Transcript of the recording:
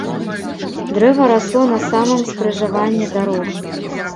Дрэва расло на самым скрыжаванні дарог.